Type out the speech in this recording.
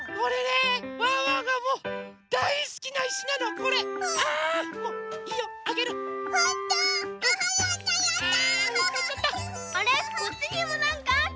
こっちにもなんかあった。